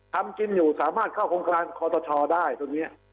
ทำกินอยู่สามารถเข้าโครงการคอตชได้ตรงนี้